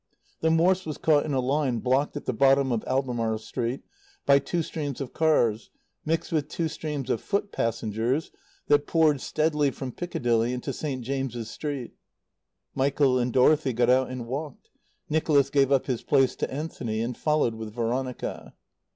The Morss was caught in a line blocked at the bottom of Albemarle Street by two streams of cars, mixed with two streams of foot passengers, that poured steadily from Piccadilly into St. James's Street. Michael and Dorothy got out and walked. Nicholas gave up his place to Anthony and followed with Veronica.